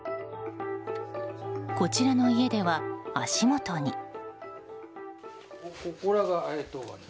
こちらの家では足元に。